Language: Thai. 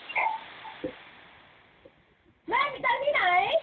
แม่งมีตังค์ที่ไหน